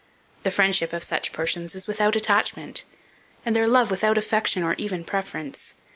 The friendship of such persons is without attachment, and their love without affection or even preference.